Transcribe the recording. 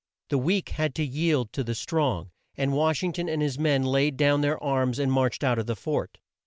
The weak had to yield to the strong, and Wash ing ton and his men laid down their arms and marched out of the fort.